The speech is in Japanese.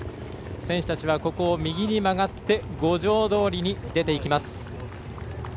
選手たちはここを右に曲がって五条通に出ていきます。